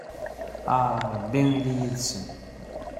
a rebbi ili yid-sen